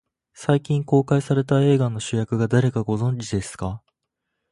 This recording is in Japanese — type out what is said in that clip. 最近公開された映画の主役が誰か、ご存じですか。